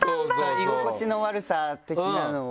居心地の悪さ的なのを。